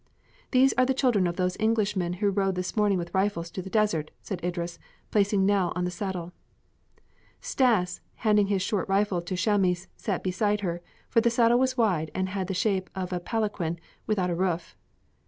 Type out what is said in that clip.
"These are the children of those Englishmen who rode this morning with rifles to the desert," said Idris, placing Nell on the saddle. Stas, handing his short rifle to Chamis, sat beside her, for the saddle was wide and had the shape of a palanquin without a roof.